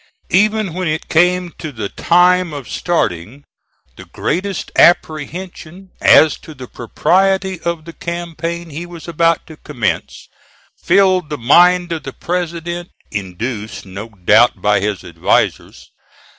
Even when it came to the time of starting, the greatest apprehension, as to the propriety of the campaign he was about commence, filled the mind of the President, induced no doubt by his advisers.